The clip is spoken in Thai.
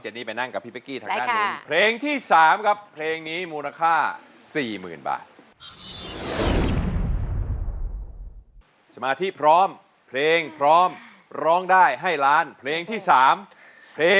ฉันก็มั่นใจในตัวเธอ